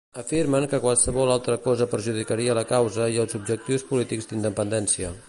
Afirmen que qualsevol altra cosa perjudicaria la causa i els objectius polítics d'independència.